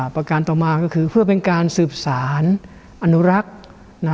ประการต่อมาก็คือเพื่อเป็นการสืบสารอนุรักษ์